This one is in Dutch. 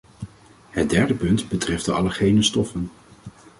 Het derde punt betreft de allergene stoffen.